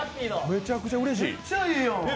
めちゃくちゃうれしい。